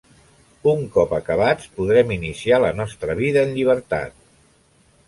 Un cop acabats, podrem iniciar la nostra vida en llibertat.